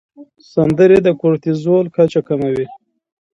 سندرې د کورتیزول کچه کموي.